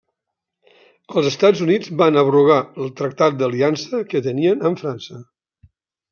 Els Estats Units van abrogar el Tractat d'aliança que tenien amb França.